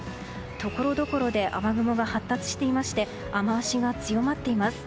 ところどころで雨雲が発達していまして雨脚が強まっています。